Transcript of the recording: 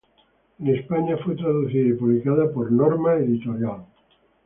En España fue traducida y publicada por Norma Editorial.